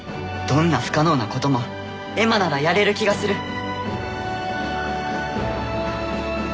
どんな不可能なこともエマならやれる気がする